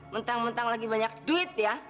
mentang mentang lagi banyak duit ya